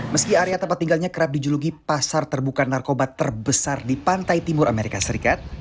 meski area tempat tinggalnya kerap dijuluki pasar terbuka narkoba terbesar di pantai timur amerika serikat